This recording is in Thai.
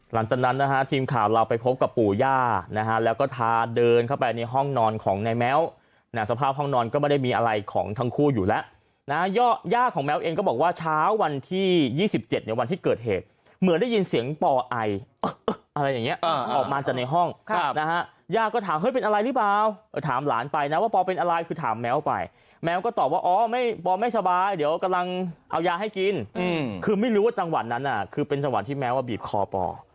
หลังจากนั้นนะฮะทีมข่าวเราไปพบกับปู่ย่านะฮะแล้วก็ทาเดินเข้าไปในห้องนอนของในแม้วนะสภาพห้องนอนก็ไม่ได้มีอะไรของทั้งคู่อยู่แล้วนะย่าของแม้วเองก็บอกว่าเช้าวันที่ยี่สิบเจ็ดเนี้ยวันที่เกิดเหตุเหมือนได้ยินเสียงปอไออะไรอย่างเงี้ยออกมาจากในห้องนะฮะย่าก็ถามเฮ้ยเป็นอะไรหรือเปล่าถามหลานไปนะว่าป